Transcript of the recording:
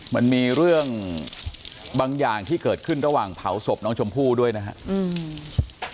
มันมีเรื่องบางอย่างที่เกิดขึ้นระหว่างเผาศพน้องชมพู่ด้วยนะครับ